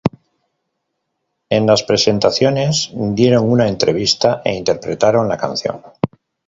En las presentaciones dieron una entrevista e interpretaron la canción.